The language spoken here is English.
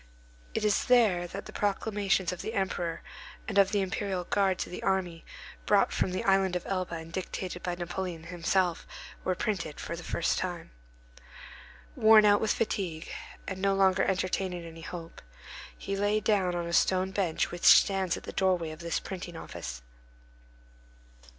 It is there that the proclamations of the Emperor and of the Imperial Guard to the army, brought from the Island of Elba and dictated by Napoleon himself, were printed for the first time. Worn out with fatigue, and no longer entertaining any hope, he lay down on a stone bench which stands at the doorway of this printing office.